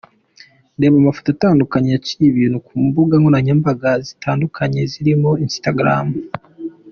Reba amafoto atandukanye yaciye ibintu ku mbuga nkoranyambaga zitandukanye zirimo instagram.